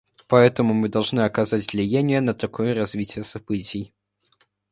Поэтому мы должны оказать влияние на такое развитие событий.